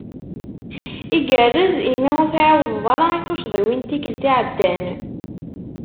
Igerrez imi ur tɛiwdeḍ ara i tucḍiwin n tikelt iɛeddan.